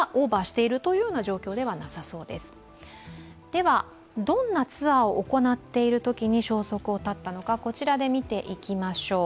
ではどんなツアーを行っているときに消息を絶ったのか見ていきましょう。